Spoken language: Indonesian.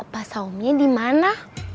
pah saumnya dimana